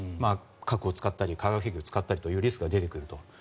核を使ったり化学兵器を使ったりというリスクが出てくると。